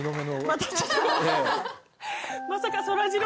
またちょっと。